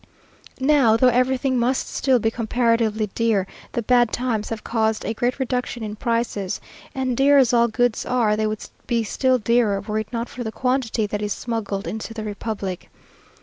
Now, though everything must still be comparatively dear, the bad times have caused a great reduction in prices; and dear as all goods are, they would be still dearer, were it not for the quantity that is smuggled into the republic.